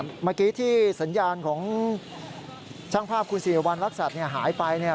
เมื่อกี้ที่สัญญาณของช่างภาพคุณสิริวัณรักษัตริย์หายไปเนี่ย